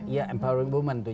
iya empowering women tuh